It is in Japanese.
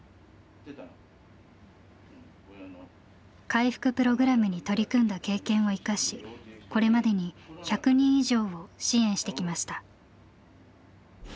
回復プログラムに取り組んだ経験を生かしこれまでに１００人以上を支援してきました。